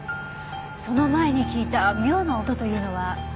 その前に聞いた妙な音というのは？